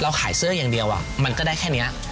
ขายเสื้ออย่างเดียวมันก็ได้แค่นี้